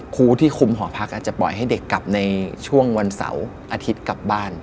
ครูที่คุมหอพักอาจจะปล่อยให้เด็กกลับในช่วงวันเสาร์อาทิตย์กลับบ้าน